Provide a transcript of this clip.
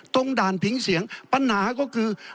ด่านผิงเสียงปัญหาก็คือ